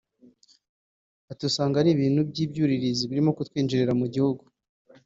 Ati “Usanga ari ibintu by’ibyuririzi birimo kutwinjirana mu gihugu